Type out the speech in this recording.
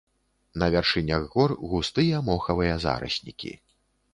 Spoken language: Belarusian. На вяршынях гор густыя мохавыя зараснікі.